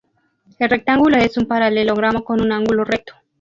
El rectángulo es un paralelogramo con un ángulo recto.